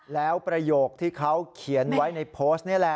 แล้วประโยคที่เขาเขียนไว้ในโพสต์นี่แหละ